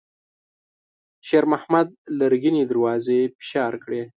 شېرمحمد لرګينې دروازې فشار کړې.